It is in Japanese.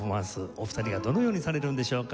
お二人がどのようにされるのでしょうか？